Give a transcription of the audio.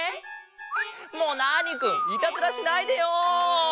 もうナーニくんいたずらしないでよ！